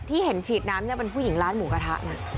ที่เห็นฉีดน้ำเป็นผู้หญิงร้านหมูกระทะนะ